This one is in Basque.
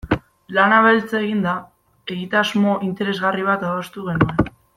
Lana beltz eginda, egitasmo interesgarri bat adostu genuen.